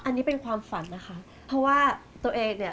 อันนี้เป็นความฝันนะคะเพราะว่าตัวเองเนี่ย